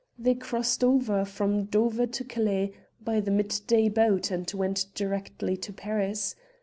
They crossed over from Dover to Calais by the midday boat, and went direct to Paris.